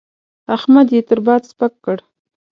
احمد يې تر باد سپک کړ.